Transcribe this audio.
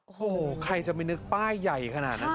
โอ้โหใครจะไม่นึกป้ายใหญ่ขนาดนั้น